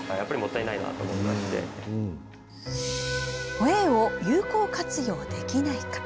ホエーを有効活用できないか。